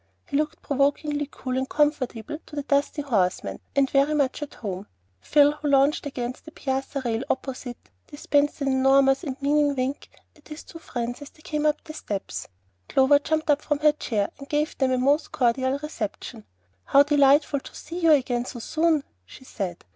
He looked provokingly cool and comfortable to the dusty horsemen, and very much at home. Phil, who lounged against the piazza rail opposite, dispensed an enormous and meaning wink at his two friends as they came up the steps. Clover jumped up from her chair, and gave them a most cordial reception. "How delightful to see you again so soon!" she said.